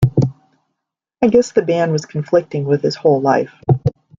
I guess the band was conflicting with his whole life.